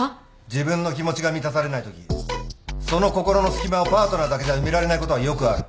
自分の気持ちが満たされないときその心の隙間をパートナーだけじゃ埋められないことはよくある。